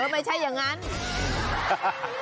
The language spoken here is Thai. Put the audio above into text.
ไม่ใช่อย่างนั้น